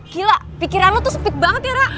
gila pikiran lu tuh sepit banget ya ra